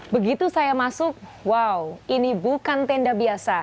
begitu saya masuk wow ini bukan tenda biasa